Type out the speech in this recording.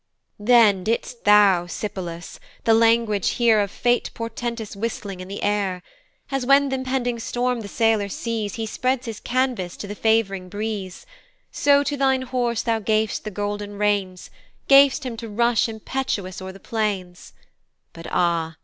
Then didst thou, Sipylus, the language hear Of fate portentous whistling in the air: As when th' impending storm the sailor sees He spreads his canvas to the fav'ring breeze, So to thine horse thou gav'st the golden reins, Gav'st him to rush impetuous o'er the plains: But ah!